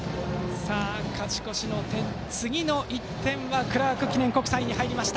勝ち越しの点、次の１点はクラーク記念国際に入りました。